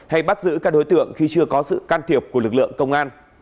hay bắt giữ các đối tượng khi chưa có sự can thiệp của lực lượng công an